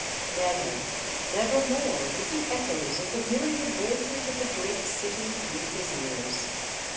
Never—never more would the echoes of the myriad voices of the great city meet his ears!